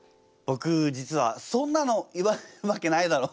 ぼく実はそんなの言われるわけないだろ。